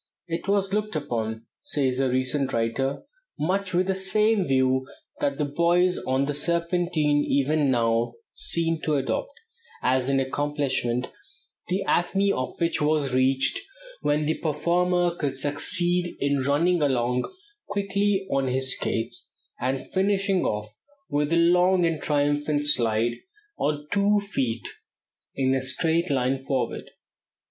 "It was looked upon," says a recent writer, "much with the same view that the boys on the Serpentine even now seem to adopt, as an accomplishment, the acme of which was reached when the performer could succeed in running along quickly on his skates, and finishing off with a long and triumphant slide on two feet in a straight line forward.